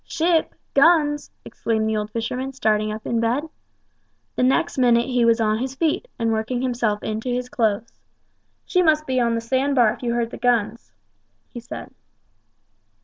"Ship! guns!" exclaimed the old fisherman, starting up in bed. The next minute he was on his feet, and working himself into his clothes. "She must be on the sand bar if you heard the guns," he said.